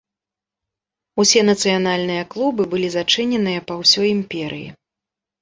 Усе нацыянальныя клубы былі зачыненыя па ўсёй імперыі.